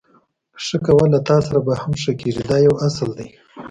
ښه کوه له تاسره به هم ښه کېږي دا یو اصل دی.